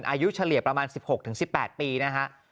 เฉลี่ยประมาณ๑๖๑๘ปีนะฮะ